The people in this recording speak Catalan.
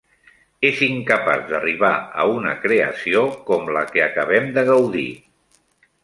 ...és incapaç d'arribar a una creació com la que acabem de gaudir